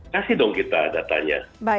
kasih dong kita datanya